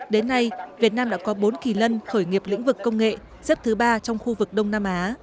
đến nay việt nam đã có bốn kỳ lân khởi nghiệp lĩnh vực công nghệ xếp thứ ba trong khu vực đông nam á